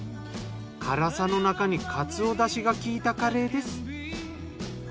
辛さの中にカツオだしが効いたカレーです。